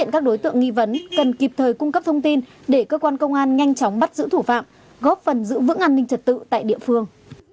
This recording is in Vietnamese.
các đối tượng nghi vấn cần kịp thời cung cấp thông tin để cơ quan công an nhanh chóng bắt giữ thủ phạm góp phần giữ vững an ninh trật tự tại địa phương